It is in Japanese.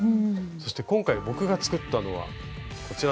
そして今回僕が作ったのはこちらの。